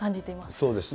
そうですね。